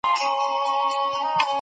تاسي باید د دین په چارو کي ډېر فکر وکئ.